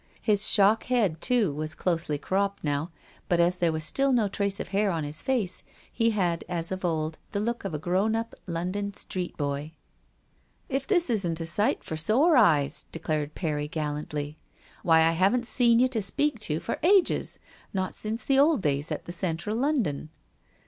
His shock head, too, was closely cropped now, but as there was still no trace of hair on his face, he had as of old the look of a grown up London street boy. " If this isn't a sight for sore eyes !" de clared Perry gallantly. "Why I haven't seen you, to speak to, for quite a year. Not since the old days at the Central London."